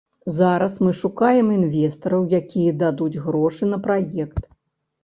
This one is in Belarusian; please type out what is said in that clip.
Зараз мы шукаем інвестараў, якія дадуць грошы на праект.